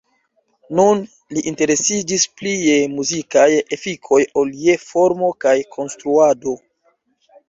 Nun, li interesiĝis pli je muzikaj efikoj ol je formo kaj konstruado.